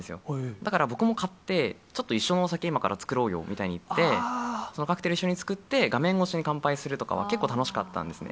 だから僕も買って、ちょっと一緒のお酒を今から作ろうよって言って、カクテル一緒に作って、画面越しに乾杯するとかは結構楽しかったんですね。